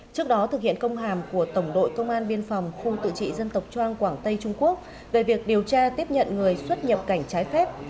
trước đó thực hiện công hàm của tổng đội công an biên phòng khu tự trị dân tộc trang quảng tây trung quốc về việc điều tra tiếp nhận người xuất nhập cảnh trái phép